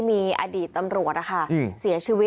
มีอดีตตำรวจนะคะเสียชีวิต